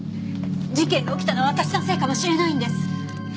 事件が起きたのは私のせいかもしれないんです！